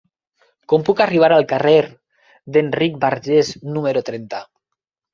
Com puc arribar al carrer d'Enric Bargés número trenta?